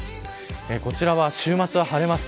こちらは週末は晴れます。